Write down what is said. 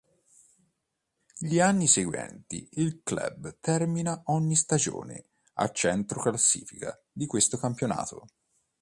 Gli anni seguenti, il club termina ogni stagione a centro classifica di questo campionato.